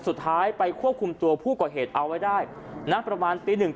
สุดท้ายไปควบคุมตัวผู้ก่อเหตุเอาไว้ได้นะประมาณตีหนึ่ง